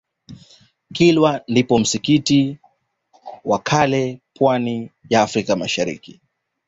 kilwa ndipo ulipo msikiti wa kale kwenye pwani ya africa mashariki